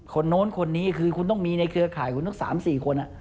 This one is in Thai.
โน้นคนนี้คือคุณต้องมีในเครือข่ายคุณทั้ง๓๔คน